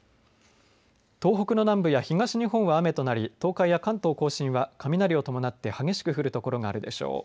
東北の南部や東日本は雨となり東海や関東甲信は雷を伴って激しく降る所があるでしょう。